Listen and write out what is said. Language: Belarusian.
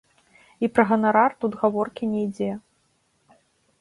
І пра ганарар тут гаворкі не ідзе.